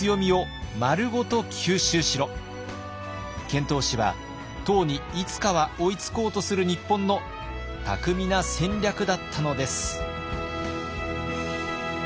遣唐使は唐にいつかは追いつこうとする日本の巧みな戦略だったのです。